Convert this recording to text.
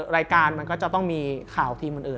รายการมันก็จะต้องมีข่าวทีมอื่น